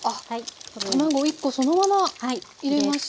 卵１コそのまま入れました。